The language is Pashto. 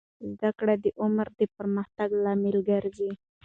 زده کړه د عمر د پرمختګ لامل ګرځي.